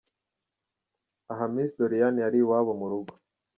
Aha Miss Doriane yari iwabo mu rugo.